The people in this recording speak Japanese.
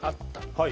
はい。